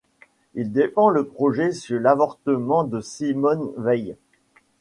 Il défend le projet sur l'avortement de Simone Veil.